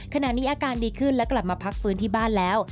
ขณะนี้อาการดีขึ้นและกลับมาพักฟื้นที่บ้านแล้ว